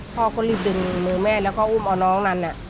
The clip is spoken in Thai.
คนที่ดึงมือแม่แล้วก็อุ้มเอาน้องนั้น